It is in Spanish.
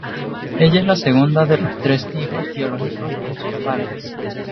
Ella es la segunda de los tres hijos biológicos de sus padres.